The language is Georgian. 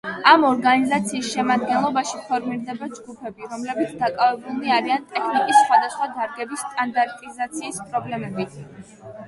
ამ ორგანიზაციის შემადგენლობაში ფორმირდება ჯგუფები, რომლებიც დაკავებულნი არიან ტექნიკის სხვადასხვა დარგების სტანდარტიზაციის პრობლემებით.